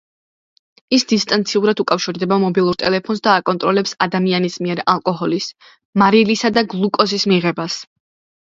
ის დისტანციურად უკავშირდება მობილურ ტელეფონს და აკონტროლებს ადამიანის მიერ ალკოჰოლის, მარილისა და გლუკოზის მიღებას.